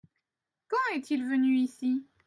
Quand est-il venu ici ?